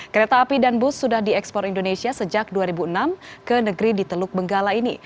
kereta api dan bus sudah diekspor indonesia sejak dua ribu enam ke negeri di teluk benggala ini